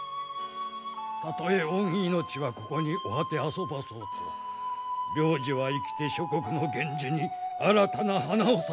たとえ御命はここにお果てあそばそうと令旨は生きて諸国の源氏に新たな花を咲かせます。